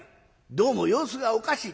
どうも様子がおかしい。